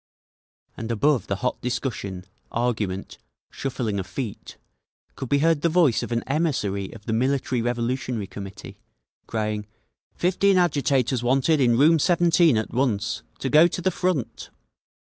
And above the hot discussion, argument, shuffling of feet could be heard the voice of an emissary of the Military Revolutionary Committee, crying, "Fifteen agitators wanted in room 17 at once! To go to the Front!"